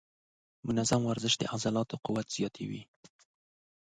منظم ورزش د عضلاتو قوت زیاتوي.